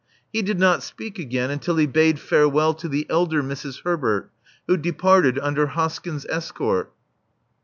He did not speak again until he bade farewell to the elder Mrs. Herbert, who departed under Hoskyn's escort.